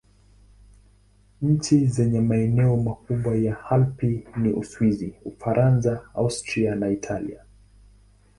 Nchi zenye maeneo makubwa ya Alpi ni Uswisi, Ufaransa, Austria na Italia.